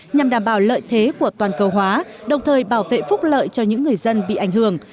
nhằm đảm bảo lợi thế của toàn cầu hóa đồng thời bảo vệ phúc lợi cho những người dân bị ảnh hưởng